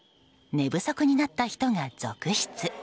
寝不足になった人が続出。